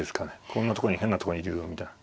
こんなとこに変なとこにいるぞみたいな。